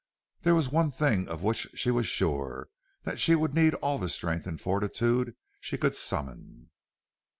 There was one thing of which she was sure that she would need all the strength and fortitude she could summon.